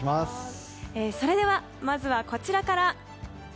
それでは、まずはこちらから。